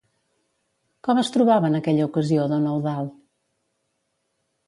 Com es trobava en aquella ocasió don Eudald?